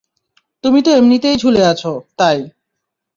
তুমি তো এমনিতেই ঝুলে আছ, তাই।